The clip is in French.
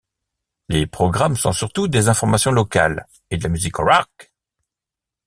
Les programmes sont surtout des informations locales et de la musique rock.